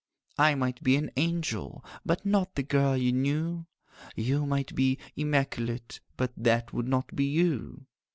'I might be an angel, But not the girl you knew; You might be immaculate, But that would not be you.